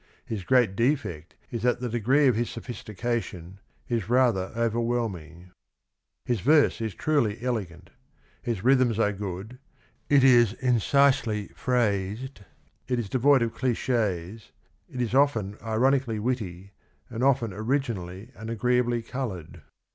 His great defect is that the degree of his sophistication is rather ovenvhelming. " His verse is truly elegant. Its rhythms are good, it is incisely phrased, it is devoid of cliches, it is often ironically witty and often originally and agreeably coloured.